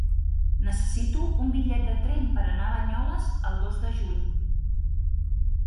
Necessito un bitllet de tren per anar a Banyoles el dos de juny.